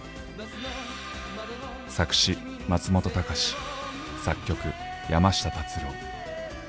作詞松本隆作曲山下達郎。